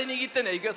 いくよ。